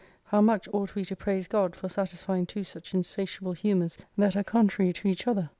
How much ought we to praise God, for satisfying two such insatiable humours that are contrary to each other